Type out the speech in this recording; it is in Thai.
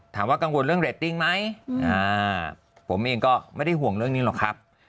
กังวลเรื่องเรตติ้งไหมผมเองก็ไม่ได้ห่วงเรื่องนี้หรอกครับ